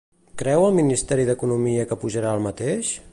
Creu el ministeri d'Economia que pujarà el mateix?